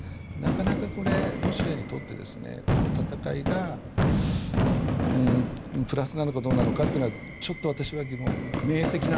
なかなかロシアにとってこの戦いがプラスなのかどうなのかというのはちょっと私は疑問です。